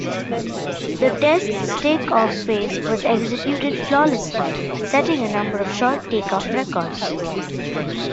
The test's takeoff phase was executed flawlessly, setting a number of short takeoff records.